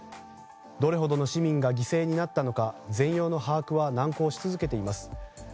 どれほどの市民が犠牲になったのか全容の把握は難航し続けています。